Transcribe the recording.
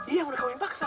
iya mau di koin paksa